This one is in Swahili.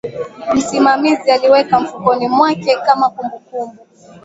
msimamizi aliweka mfukoni mwake kama kumbukumbu